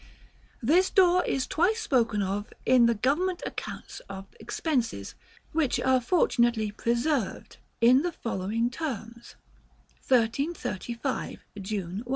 This door is twice spoken of in the government accounts of expenses, which are fortunately preserved, in the following terms: "1335, June 1.